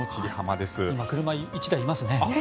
車が１台いますね。